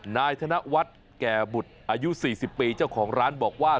นายธนวัฒน์แก่บุตรอายุ๔๐ปีเจ้าของร้านบอกว่า